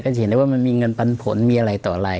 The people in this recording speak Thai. จะเห็นได้ว่ามันมีเงินปันผลมีอะไรต่ออะไร